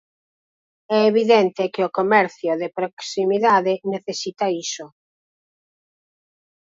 É evidente que o comercio de proximidade necesita iso.